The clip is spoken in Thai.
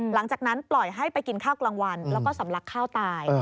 หลังจากนั้นปล่อยให้ไปกินข้าวกลางวันแล้วก็สำลักข้าวตาย